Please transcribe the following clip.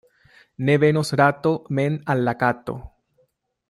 Ne venos rato mem al la kato.